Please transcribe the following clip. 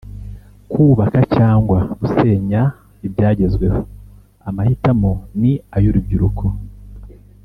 kubaka cyangwa gusenya ibyagezweho amahitamo ni ay’urubyiruko